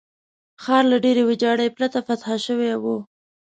ښار له ډېرې ویجاړۍ پرته فتح شوی وو.